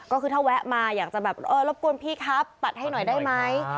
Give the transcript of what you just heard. ก็คือถ้าแวะมาอยากจะแบบเออรบกวนพี่ครับตัดให้หน่อยได้ไหม